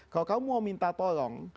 kalau kamu mau minta tolong